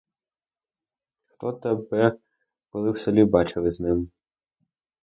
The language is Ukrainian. Хто тебе коли в селі бачив із ним?